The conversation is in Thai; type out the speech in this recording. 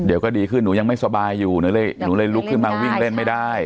เดี๋ยวก็ดีขึ้นหนูยังไม่สบายอยู่หนูเลยลุกขึ้นมาวิ่งเล่นไม่ได้